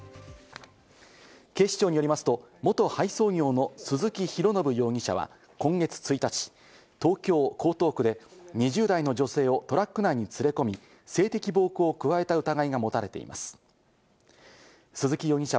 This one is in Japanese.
警視庁によりますと、元配送業の鈴木浩将容疑者は今月１日、東京・江東区で２０代の女性をトラック内に連れ込み、性的暴行を加えた疑いが持たれています。